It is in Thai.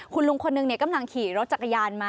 คุณลุงคนหนึ่งกำลังขี่รถจักรยานมา